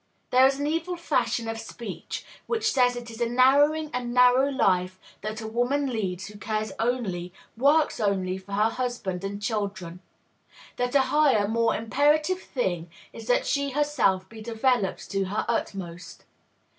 There is an evil fashion of speech which says it is a narrowing and narrow life that a woman leads who cares only, works only for her husband and children; that a higher, more imperative thing is that she herself be developed to her utmost.